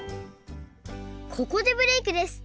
ここでブレイクです！